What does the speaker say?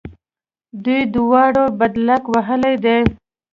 دوی دواړو بدلک وهلی دی.